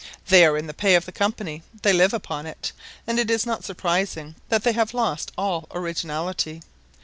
They are in the pay of the Company, they live upon it, and it is not surprising that they have lost all originality.